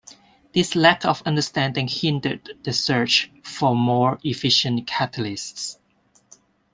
This lack of understanding hindered the search for more efficient catalysts.